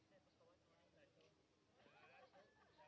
โปรดติดตามตอนต่อไป